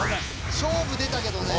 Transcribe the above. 勝負出たけどね。